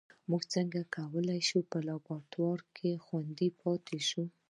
موږ څنګه کولای شو په لابراتوار کې خوندي پاتې شو